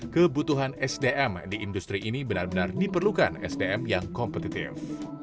kebutuhan sdm di industri ini benar benar diperlukan sdm yang kompetitif